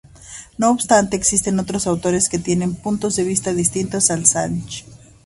No obstante, existen otros autores que tienen puntos de vista distintos al de Sachs.